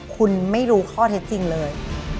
คุณไม่รู้ข้อเท็จจริงเลย